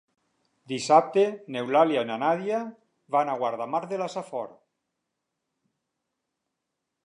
Dissabte n'Eulàlia i na Nàdia van a Guardamar de la Safor.